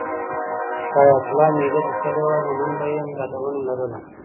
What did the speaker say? که حیات الله مېلې ته تللی وای نو نن به یې یادونه لرل.